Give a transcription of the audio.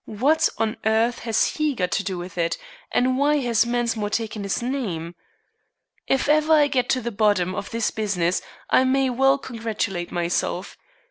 What on earth has he got to do with it, and why has Mensmore taken his name? If ever I get to the bottom of this business I may well congratulate myself.